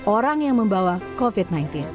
orang yang membawa covid sembilan belas